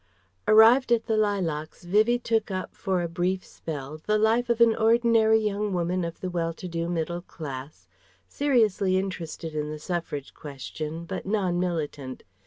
Arrived at the Lilacs, Vivie took up for a brief spell the life of an ordinary young woman of the well to do middle class, seriously interested in the suffrage question but non militant.